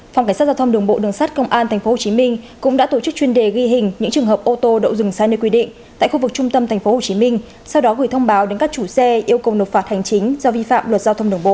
phòng cảnh sát giao thông đường bộ đường sát công an tp hcm cũng đã tổ chức chuyên đề ghi hình những trường hợp ô tô đậu dừng sai nơi quy định tại khu vực trung tâm tp hcm sau đó gửi thông báo đến các chủ xe yêu cầu nộp phạt hành chính do vi phạm luật giao thông đường bộ